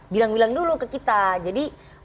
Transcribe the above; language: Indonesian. bilang bilang dulu ke kita jadi